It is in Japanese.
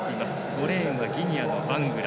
５レーンはギニアのバングラ。